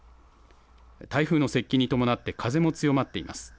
台風の接近に伴って風も強まっています。